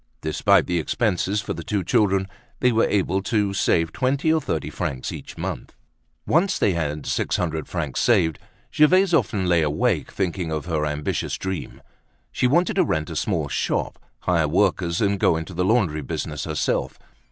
Despite the expenses for the two children, they were able to save twenty or thirty francs each month. Once they had six hundred francs saved, Gervaise often lay awake thinking of her ambitious dream: she wanted to rent a small shop, hire workers, and go into the laundry business herself.